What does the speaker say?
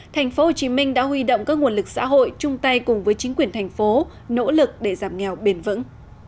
thành phố hồ chí minh đã huy động các nguồn lực xã hội chung tay cùng với chính quyền thành phố nỗ lực để giảm nghèo bền vững